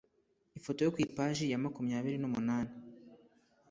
Ifoto yo ku ipaji ya makumyabiri numunani